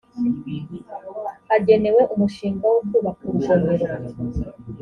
agenewe umushinga wo kubaka urugomero